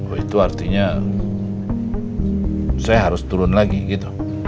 oh itu artinya saya harus turun lagi gitu